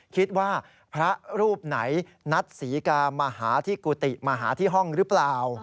คิดว่าพระรูปไหนนัดศรีกามาหาที่กุฏิมาหาที่ห้องหรือเปล่า